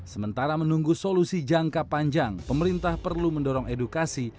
sementara menunggu solusi jangka panjang pemerintah perlu mendorong edukasi